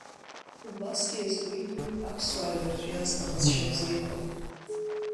Убасгьы иазгәеиҭоит аԥсуаа идырҿиаз аҟазшьа бзиақәа.